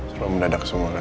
seru mendadak semua kan